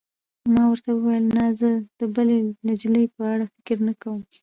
ما ورته وویل: نه، زه د بلې نجلۍ په اړه فکر نه کوم.